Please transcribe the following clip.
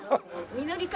みのり会。